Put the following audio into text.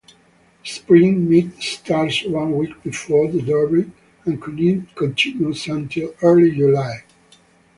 The spring meet starts one week before the Derby and continues until early July.